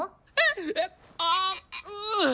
えっ！？あうん！